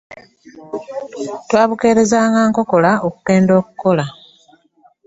Twabukeerezanga nkokola okugenda okukola.